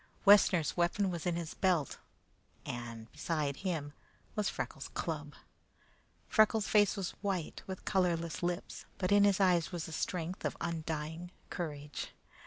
Wessner's weapon was in his belt, and beside him Freckles' club. Freckles' face was white, with colorless lips, but in his eyes was the strength of undying courage.